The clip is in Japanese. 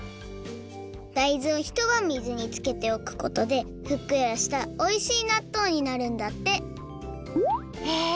大豆をひとばん水につけておくことでふっくらしたおいしいなっとうになるんだってへえ